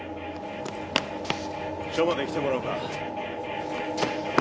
署まで来てもらおうか。